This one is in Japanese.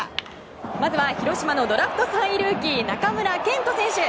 まずは広島のドラフト３位ルーキー中村健人選手。